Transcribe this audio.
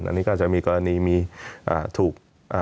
อันนี้ก็จะมีกรณีมีถูก